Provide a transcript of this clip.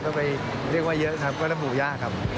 ก็ไปเรียกว่าเยอะครับก็เรียกว่าผู้ญาครับ